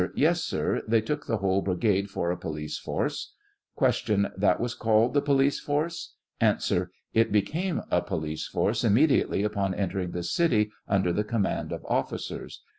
Yes, sir ; they took the whole brigade for a police force. Q. That was called the police force ? A. It became a police force immediately upon enter ing the city under the command of officers.